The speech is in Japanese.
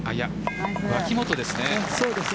脇元ですね。